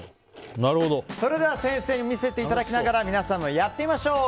それでは先生に見せていただきながら皆さんもやってみましょう。